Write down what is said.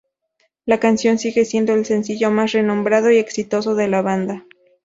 La canción sigue siendo el sencillo más renombrado y exitoso de la banda.